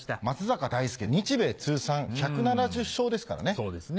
松坂大輔日米通算１７０勝ですからね。